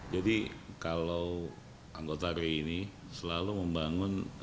jadi kalau anggota ri ini selalu membangun